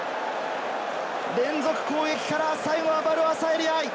連続攻撃から最後はヴァル・アサエリ愛。